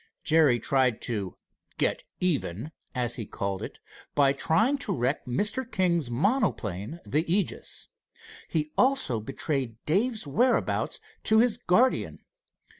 Jerry tried to "get even," as he called it, by trying to wreck Mr. King's monoplane, the Aegis. He also betrayed Dave's whereabouts to his guardian.